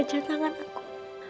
bikin saja tangan aku